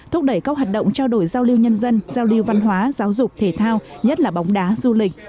thúc đẩy các hoạt động trao đổi giao lưu nhân dân giao lưu văn hóa giáo dục thể thao nhất là bóng đá du lịch